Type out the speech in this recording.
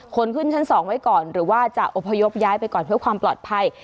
คนขึ้นชั้น๒ไว้ก่อนหรือว่าจะอพยพย้ายไปก่อนเพื่อความปลอดภัย